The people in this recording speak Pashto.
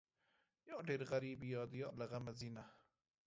یا ډېر غریب وي، یا د یار له غمه ځینه